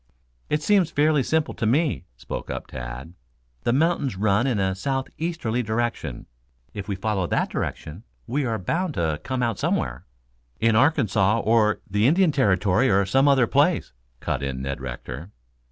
"It seems fairly simple to me," spoke up Tad. "The mountains run in a southeasterly direction. If we follow that direction we are bound to come out somewhere " "In Arkansas or the Indian Territory or some other place," cut in Ned Rector.